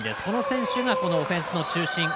この選手がオフェンスの中心。